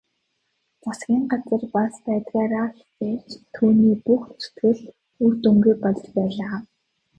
Засгийн газар бас байдгаараа хичээвч түүний бүх зүтгэл үр дүнгүй болж байлаа.